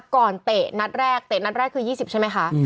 เตะนัดแรกเตะนัดแรกคือ๒๐ใช่ไหมคะ